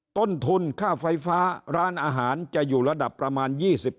ต้นทุนค่าไฟฟ้าร้านอาหารจะอยู่ระดับประมาณ๒๕